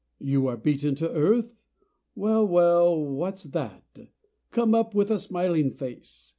You are beaten to earth? Well, well, what's that? Come up with a smiling face.